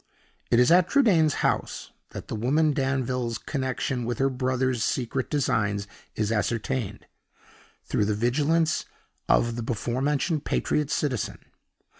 It is at Trudaine's house that the woman Danville's connection with her brother's secret designs is ascertained, through the vigilance of the before mentioned patriot citizen.